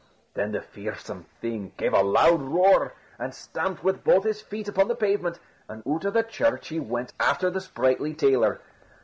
Then the fearsome thing gave a loud roar, and stamped with both his feet upon the pavement, and out of the church he went after the sprightly tailor.